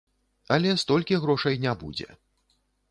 Але столькі грошай не будзе.